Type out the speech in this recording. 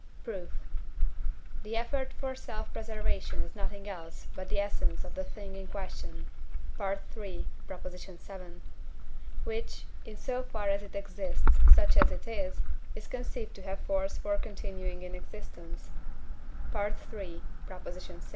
Proof. The effort for self preservation is nothing else but the essence of the thing in question (III. vii.), which, in so far as it exists such as it is, is conceived to have force for continuing in existence (III. vi.)